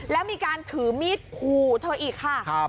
แล้วมีการถือมีดขู่เธออีกค่ะ